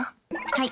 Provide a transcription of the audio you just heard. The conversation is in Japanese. はい。